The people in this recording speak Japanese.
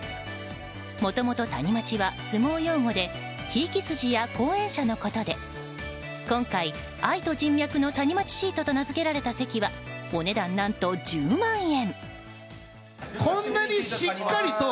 もともとタニマチは相撲用語でひいき筋や後援者のことで今回愛と人脈のタニマチシートと名付けられた席はお値段何と１０万円。